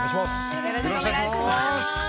よろしくお願いします。